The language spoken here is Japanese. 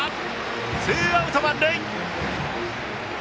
ツーアウト満塁。